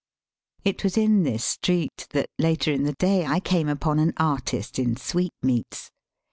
It was in this street that, later in the day,. I came upon an artist in sweetmeats.